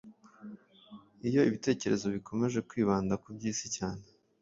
Iyo ibitekerezo bikomeje kwibanda ku by’isi cyane,